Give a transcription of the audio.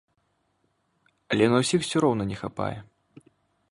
Але на ўсіх усё роўна не хапае!